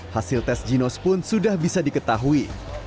hasil tes ginos pun sudah bisa diketahui